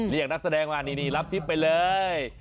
เรียกนักแสดงมานี่รับทิพย์ไปเลย